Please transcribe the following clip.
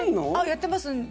やってます。